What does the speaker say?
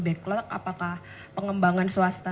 backlog apakah pengembangan swasta